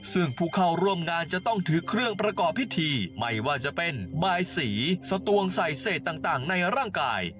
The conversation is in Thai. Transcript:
ซึ่งผู้เข้าร่วมงานจะต้องถือเครื่องประกอบพิธีไม่ว่าจะเป็นบายสีสตวงใส่เศษต่างในร่างกาย